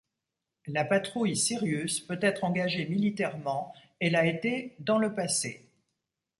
La patrouille Sirius peut être engagée militairement et l’a été dans le passé.